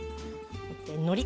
のり。